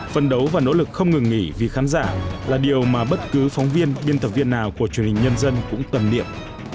phân đấu và nỗ lực không ngừng nghỉ vì khán giả là điều mà bất cứ phóng viên biên tập viên nào của truyền hình nhân dân cũng tầm niệm